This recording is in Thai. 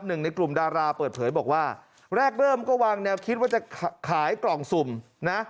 หนึ่งในกลุ่มดาราเปิดเผยบอกว่าแรกเริ่มก็วางแนวคิดว่าจะขายกล่องสุ่มนะ